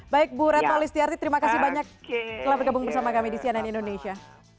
baik bu retno listiarti terima kasih banyak telah bergabung bersama kami di cnn indonesia